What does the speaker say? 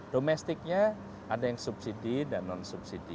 domestiknya ada yang subsidi dan non subsidi